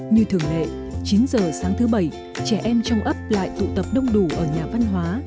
như thường lệ chín giờ sáng thứ bảy trẻ em trong ấp lại tụ tập đông đủ ở nhà văn hóa